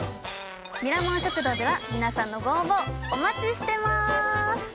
ミラモン食堂では皆さんのご応募お待ちしてます。